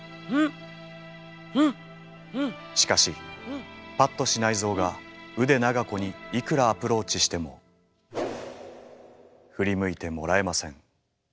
しかし八渡支内造が腕長子にいくらアプローチしても振り向いてもらえません。